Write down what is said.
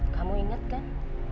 kamu inget kan